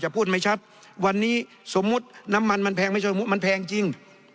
พูดไม่ชัดวันนี้สมมุติน้ำมันมันแพงไม่ใช่มันแพงจริง